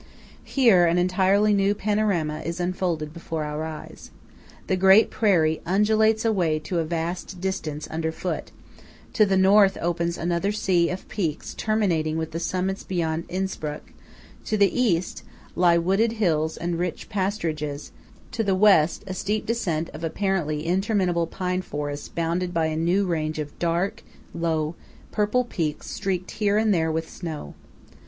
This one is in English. Here an entirely new panorama is unfolded before our eyes. The great prairie undulates away to a vast distance underfoot; to the North opens another sea of peaks terminating with the summits beyond Innspruck; to the East lie wooded hills and rich pasturages; to the West a steep descent of apparently interminable pine forest bounded by a new range of dark, low, purple peaks streaked here and there with snow.